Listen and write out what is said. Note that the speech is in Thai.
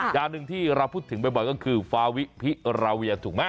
อย่างหนึ่งที่เราพูดถึงบ่อยก็คือฟาวิพิราเวียถูกไหม